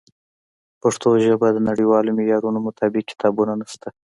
په پښتو ژبه د نړیوالو معیارونو مطابق کتابونه نشته.